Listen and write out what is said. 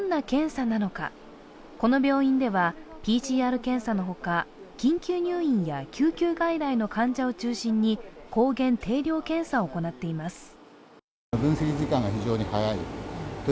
この病院ではＰＣＲ検査のほか、緊急入院や救急外来の患者を中心に抗原定量検査を行っています。